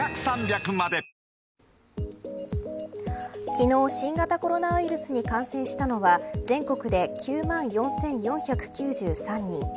昨日、新型コロナウイルスに感染したのは全国で９万４４９３人。